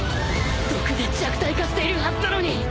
毒で弱体化しているはずなのに！